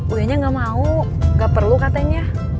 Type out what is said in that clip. kayaknya gak mau gak perlu katanya